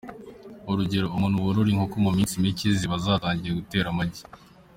Urugero, umuntu worora inkoko mu minsi micye ziba zatangiye gutera amagi.